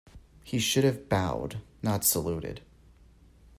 He should have bowed, not saluted